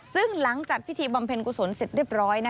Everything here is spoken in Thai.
ซึ่งหลังจากพิธีบำเพ็ญกุศลเสร็จเรียบร้อย